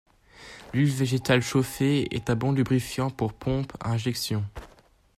L'huile végétale chauffée est un bon lubrifiant pour pompe à injection.